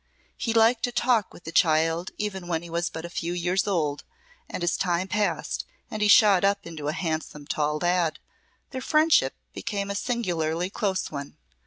He liked to talk with the child even when he was but a few years old, and as time passed, and he shot up into a handsome, tall lad, their friendship became a singularly close one.